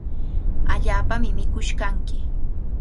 Allaapami mikush kanki.